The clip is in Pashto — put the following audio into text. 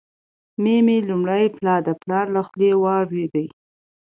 مي لومړی پلا د پلار له خولې واروېدې،